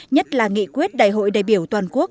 nhất là nghị quyết đại hội đại biểu toàn quốc